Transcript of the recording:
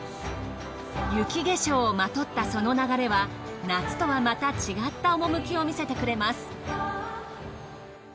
雪化粧をまとったその流れは夏とはまた違った趣を見せてくれます。